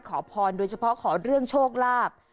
ขอพรโดยเฉพาะขอเรื่องโชคลาภ